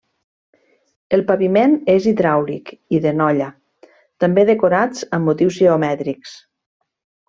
El paviment és hidràulic i de Nolla, també decorats amb motius geomètrics.